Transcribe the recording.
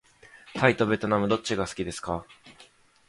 タイとべトナムどっちが好きですか。